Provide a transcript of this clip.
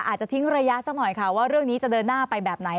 อาจจะทิ้งระยะสักหน่อยค่ะว่าเรื่องนี้จะเดินหน้าไปแบบไหน